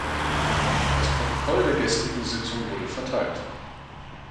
Das Protokoll der gestrigen Sitzung wurde verteilt.